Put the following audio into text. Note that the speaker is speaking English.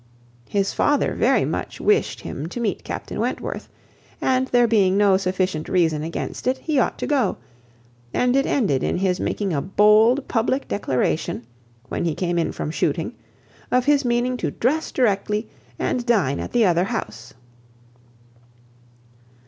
His father very much wished him to meet Captain Wentworth, and there being no sufficient reason against it, he ought to go; and it ended in his making a bold, public declaration, when he came in from shooting, of his meaning to dress directly, and dine at the other house.